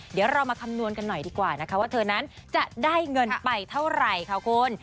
เดี๋ยวเรามาคำนวณกันหน่อยดีกว่านะคะว่าเธอนั้นจะได้เงินไปเท่าไหร่ค่ะคุณ